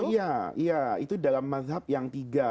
iya iya itu dalam madhab yang tiga